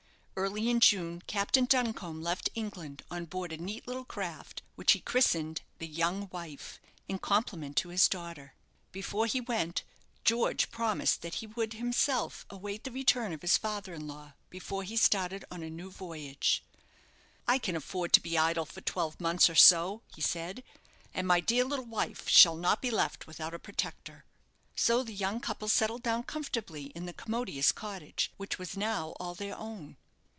Early in June Captain Duncombe left England on board a neat little craft, which he christened the "Young Wife," in compliment to his daughter. Before he went, George promised that he would himself await the return of his father in law before he started on a new voyage. "I can afford to be idle for twelve months, or so," he said; "and my dear little wife shall not be left without a protector." So the young couple settled down comfortably in the commodious cottage, which was now all their own.